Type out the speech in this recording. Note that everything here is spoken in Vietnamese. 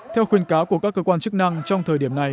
theo khuyên cáo của các cơ quan chức năng trong thời điểm này